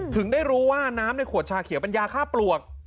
ถึงได้รู้ว่าน้ำในขวดชาเขียวเป็นยาฆ่าปลวก